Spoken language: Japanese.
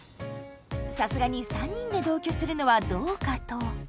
さすがに３人で同居するのはどうかと。